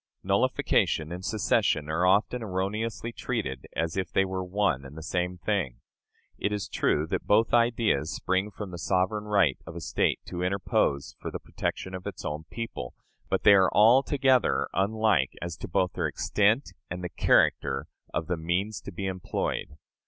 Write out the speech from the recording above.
Nullification and secession are often erroneously treated as if they were one and the same thing. It is true that both ideas spring from the sovereign right of a State to interpose for the protection of its own people, but they are altogether unlike as to both their extent and the character of the means to be employed.